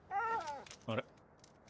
あれ？